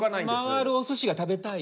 回るおすしが食べたい？